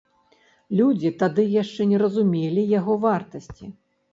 Людзі тады яшчэ не разумелі яго вартасці.